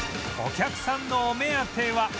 お客さんのお目当ては